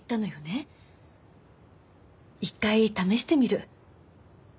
一回試してみる。